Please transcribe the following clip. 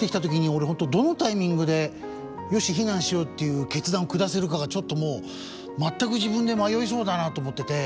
俺本当どのタイミングで「よし避難しよう！」っていう決断を下せるかがちょっともう全く自分で迷いそうだなと思ってて。